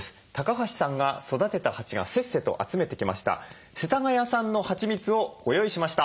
橋さんが育てた蜂がせっせと集めてきました世田谷産のはちみつをご用意しました。